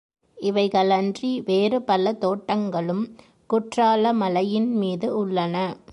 இவைகளன்றி வேறுபல தோட்டங்களும் குற்றாலமலையின்மீது உள்ளன.